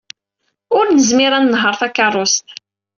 Ur nezmir ad nenheṛ takeṛṛust.